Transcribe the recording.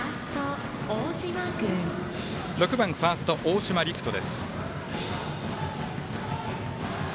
６番ファースト、大島陵翔。